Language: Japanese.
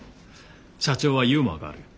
社長はユーモアがある。